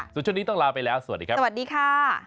ส่วนช่วงนี้ต้องลาไปแล้วสวัสดีครับสวัสดีค่ะ